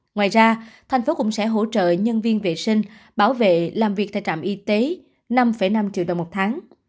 ngoài ra thành phố cũng sẽ hỗ trợ nhân viên vệ sinh bảo vệ làm việc tại trạm y tế năm năm triệu đồng một tháng